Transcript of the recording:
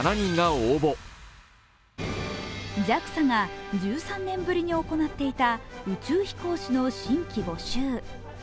ＪＡＸＡが１３年ぶりに行っていた宇宙飛行士の新規募集。